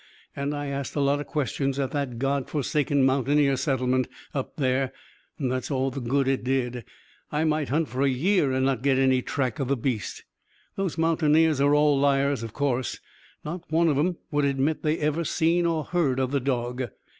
And I asked a lot of questions at that God forsaken mountaineer settlement, up there. That's all the good it did. I might hunt for a year and not get any track of the beast. Those mountaineers are all liars, of course. Not one of 'em, would admit they'd ever seen or heard of the dog.